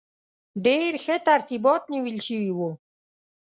ډېر ښه ترتیبات نیول شوي وو.